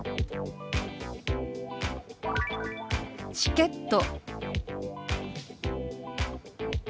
「チケット」。